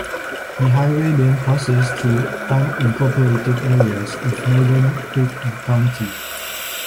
The highway then passes through unincorporated areas of northeast Creek County.